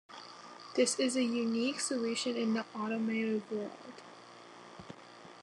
This is a unique solution in the automotive world.